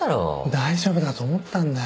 大丈夫だと思ったんだよ。